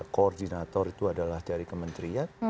koordinator itu adalah dari kementerian